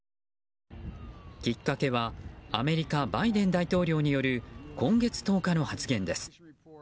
きっかけはアメリカバイデン大統領による今月１０日の発言です。